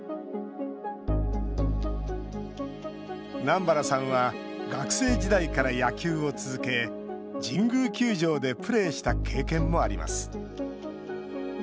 南原さんは学生時代から野球を続け神宮球場でプレーした経験もあります。